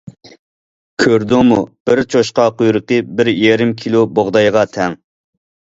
- كۆردۈڭمۇ؟.... بىر چوشقا قۇيرۇقى بىر يېرىم كىلو بۇغدايغا تەڭ.